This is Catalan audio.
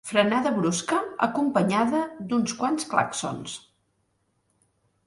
Frenada brusca, acompanyada d'uns quants clàxons.